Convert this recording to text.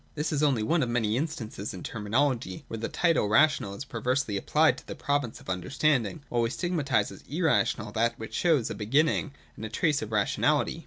This is only one of many instances in terminology, where the title rational is perversely applied to the province of understanding, while we stigmatise as irrational that which shows a beginning and a trace of rationality.